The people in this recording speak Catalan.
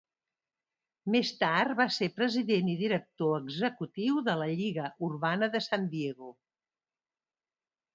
Més tard va ser president i director executiu de la Lliga Urbana de Sant Diego.